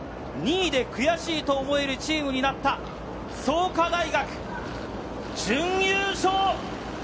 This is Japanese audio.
２位で悔しいと思えるチームになった、創価大学、準優勝。